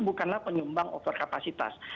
bukanlah penyumbang overkapasitas